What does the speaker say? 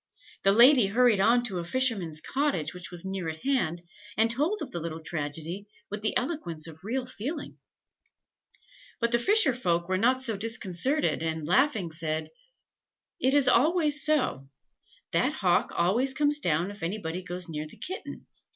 The lady hurried on to a fisherman's cottage, which was near at hand, and told of the little tragedy with the eloquence of real feeling. "But the fisher folk were not so disconcerted, and, laughing, said "'It is always so; that hawk always comes down if anybody goes near the kitten.